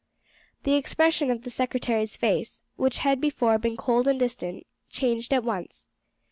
The expression of the secretary's face, which had before been cold and distant, changed at once.